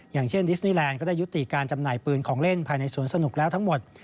อย่างเช่นดิสนีแลนดก็ได้ยุติการจำหน่ายปืนของเล่นภายในสวนสนุกแล้วทั้งหมด